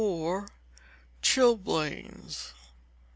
Chilblains.